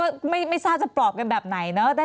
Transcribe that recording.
คือเราไม่รู้ก็ไม่ทราบจะปลอบกันแบบไหนเนอะ